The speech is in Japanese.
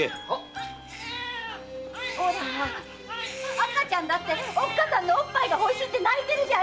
赤ちゃんだっておっかさんのお乳が欲しいって泣いてるよ！